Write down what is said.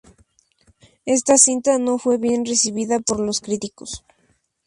Esta cinta no fue bien recibida por los críticos.